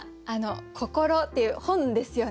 「こころ」っていう本ですよね。